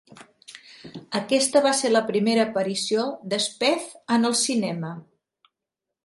Aquesta va ser la primera aparició de Spaeth en el cinema.